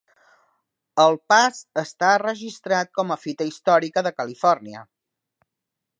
El pas està registrat com a Fita Històrica de Califòrnia.